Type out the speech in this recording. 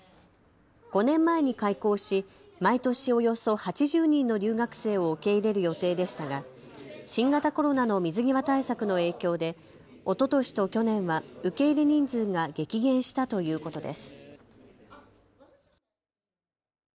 ５年前に開校し毎年およそ８０人の留学生を受け入れる予定でしたが新型コロナの水際対策の影響でおととしと去年は受け入れ人数が激減したということです。